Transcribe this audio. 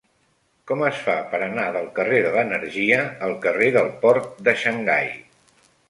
Com es fa per anar del carrer de l'Energia al carrer del Port de Xangai?